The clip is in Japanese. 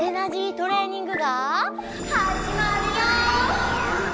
トレーニングがはじまるよ！